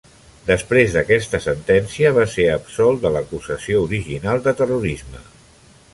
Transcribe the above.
Després d'aquesta sentència, va ser absolt de l'acusació original de terrorisme.